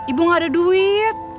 ibu gak ada duit